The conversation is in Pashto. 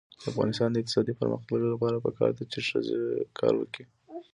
د افغانستان د اقتصادي پرمختګ لپاره پکار ده چې ښځې کار وکړي.